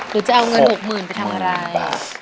หรือจะเอาเงิน๖๐๐๐ไปทำอะไร